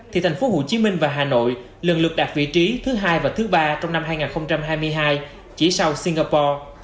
thì thành phố hồ chí minh và hà nội lần lượt đạt vị trí thứ hai và thứ ba trong năm hai nghìn hai mươi hai chỉ sau singapore